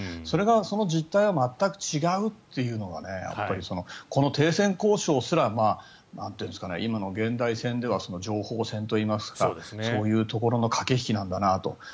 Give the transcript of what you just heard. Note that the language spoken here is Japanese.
それがその実態が全く違うというのがこの停戦交渉すら今の現代戦では情報戦といいますかそういうところの駆け引きなんだなと。